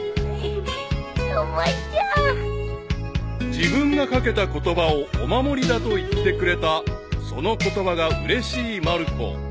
［自分が掛けた言葉をお守りだと言ってくれたその言葉がうれしいまる子］